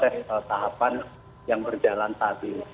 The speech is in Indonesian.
terusnya kita mengecewakan partai partai tahapan yang berjalan tadi